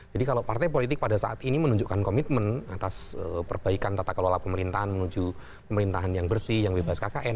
jadi kalau partai politik pada saat ini menunjukkan komitmen atas perbaikan tata kelola pemerintahan menuju pemerintahan yang bersih yang bebas kkn